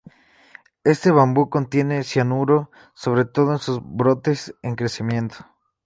Este bambú contiene cianuro, sobre todo en sus brotes en crecimiento.